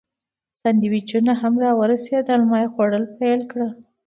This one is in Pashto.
سانډویچونه هم راورسېدل، ما خوړل پیل کړل.